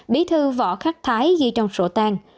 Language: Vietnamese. bí thư võ khắc thái ghi trong sổ tàn